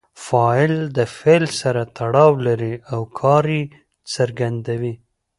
فاعل د فعل سره تړاو لري او کار ئې څرګندوي.